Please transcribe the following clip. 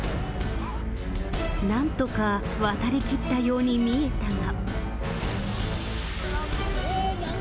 なんとか渡り切ったように見えたが。